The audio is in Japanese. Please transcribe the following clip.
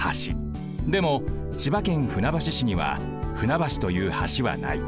でも千葉県船橋市には船橋という橋はない。